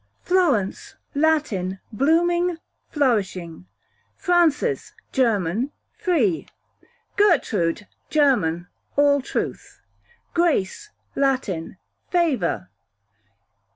Florence, Latin, blooming, flourishing. Frances, German, free. Gertrude, German, all truth. Grace, Latin, favour.